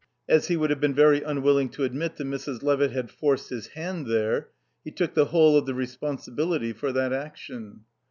As he would have been very unwilling to admit that Mrs. Levitt had forced his hand there, he took the whole of the responsibility for that action.